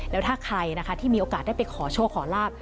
แล้วถ้าใครนะคะที่มีโอกาสได้ไปขอโชคขอลาบ